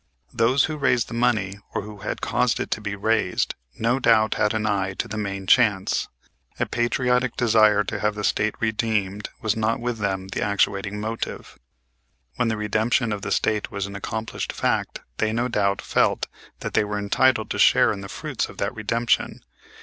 Those who raised the money, or who caused it to be raised, no doubt had an eye to the main chance. A patriotic desire to have the State redeemed (?) was not with them the actuating motive. When the redemption (?) of the State was an accomplished fact they, no doubt, felt that they were entitled to share in the fruits of that redemption.